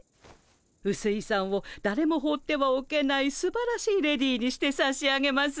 うすいさんをだれも放ってはおけないすばらしいレディーにしてさしあげますわ。